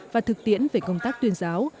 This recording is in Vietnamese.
và thực tiễn về công tác tuyên giáo